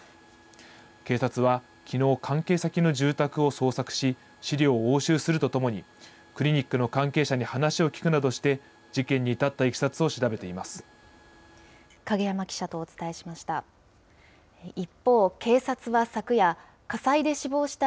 警察は、きのう、関係先の住宅を捜索し、資料を押収するとともに、クリニックの関係者に話を聴くなどして、事件に至ったいきさつを影山記者とお伝えしました。